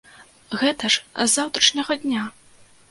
Гэта ж з заўтрашняга дня!